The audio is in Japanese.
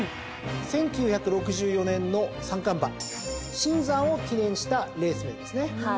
１９６４年の三冠馬シンザンを記念したレース名ですね。